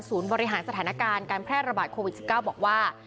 บริหารสถานการณ์การแพร่ระบาดโควิด๑๙บอกว่า